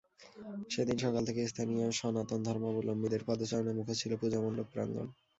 সেদিন সকাল থেকে স্থানীয় সনাতন ধর্মালম্বীদের পদচারণে মুখর ছিল পূজামণ্ডপ প্রাঙ্গণ।